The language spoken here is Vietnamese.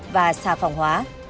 và xà phòng hóa